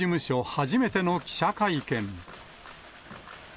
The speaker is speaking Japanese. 初めての記者会見。